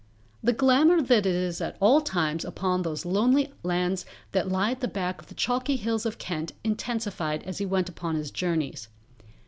The glamour that is at all times upon those lonely lands that lie at the back of the chalky hills of Kent intensified as he went upon his journeys.